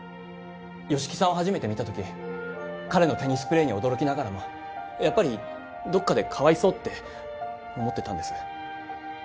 吉木さんを初めて見た時彼のテニスプレーに驚きながらもやっぱりどっかでかわいそうって思ってたんです